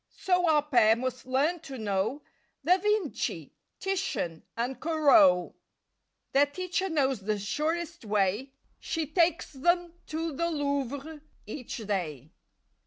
So our pair must learn to know Da Vinci, Titian and Corot. Their teacher knows the surest way: She takes them to the Louvre each day.